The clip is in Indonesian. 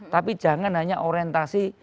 tapi jangan hanya orientasi